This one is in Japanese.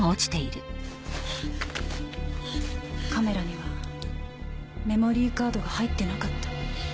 カメラにはメモリーカードが入ってなかった。